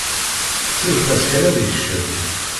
Siwlet-as kan ad d-ikcem!